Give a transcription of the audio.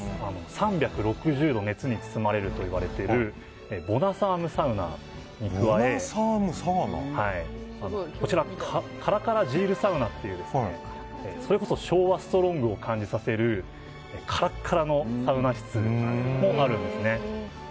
３６０度熱に包まれるといわれるボナサームサウナに加えからからジールサウナというそれこそ昭和ストロングを感じさせるからからのサウナ室もあるんです。